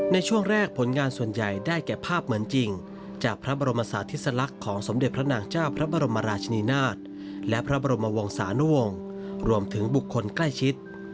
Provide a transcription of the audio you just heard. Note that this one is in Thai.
ในช่วงแรกผลงานส่วนใหญ่ได้แก่ภาพเหมือนจริงจากพระบรมศาสติสลักษณ์ของสมเด็จพระนางเจ้าพระบรมราชนีนาฏและพระบรมวงศานุวงศ์รวมถึงบุคคลใกล้ชิด